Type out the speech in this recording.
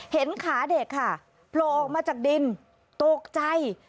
เห็นขาเด็กค่ะโผล่ออกมาจากดินตกใจ